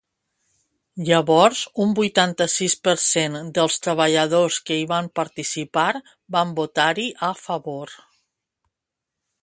Llavors un vuitanta-sis per cent dels treballadors que hi van participar van votar-hi a favor.